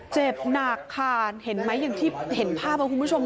เจ็บหนักค่ะเห็นไหมอย่างที่เห็นภาพนะคุณผู้ชม